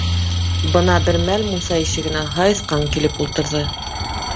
Бына бер мәл мунса ишегенә... һайыҫҡан килеп ултырҙы.